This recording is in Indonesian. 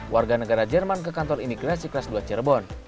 warga negara jerman ke kantor imigrasi kelas dua cirebon